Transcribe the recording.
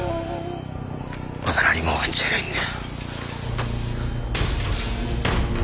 まだ何も終わっちゃいないんだ。